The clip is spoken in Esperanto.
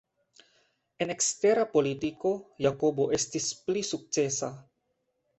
En ekstera politiko, Jakobo estis pli sukcesa.